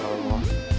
apa kabar bu